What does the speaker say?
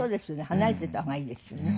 離れてた方がいいですよね。